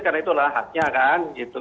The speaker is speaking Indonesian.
karena itulah haknya kan